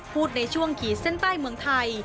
พูดในช่วงขีดเส้นใต้เมืองไทย